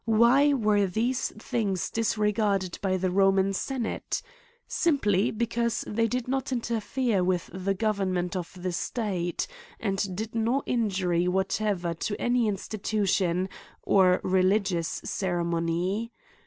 Why were these things disregarded by the Roman senate ? Simply because they did not interfere with the government of the state ; and did no injury whatever to any institution, or religious ceremony.